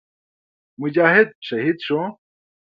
مجاهد شهید شو.